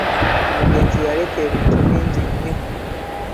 Omugenzi yaleka ebintu bingi nnyo.